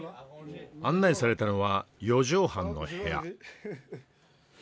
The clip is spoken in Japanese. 案内されたのは４畳半の部屋。